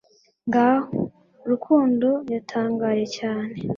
Ngaho!" Rukundo yatangaye cyane